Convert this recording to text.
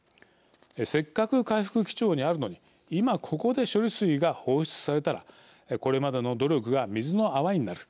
せっかく回復基調にあるのに今ここで処理水が放出されたらこれまでの努力が水の泡になる。